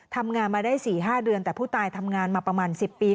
ทำงานมาได้๔๕เดือนแต่ผู้ตายทำงานมาประมาณ๑๐ปี